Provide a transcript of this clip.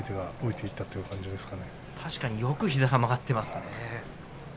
確かによく膝が曲がっていました。